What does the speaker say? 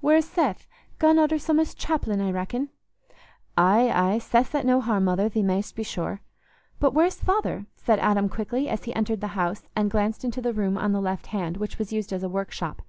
Where's Seth? Gone arter some o's chapellin', I reckon?" "Aye, aye, Seth's at no harm, mother, thee mayst be sure. But where's father?" said Adam quickly, as he entered the house and glanced into the room on the left hand, which was used as a workshop.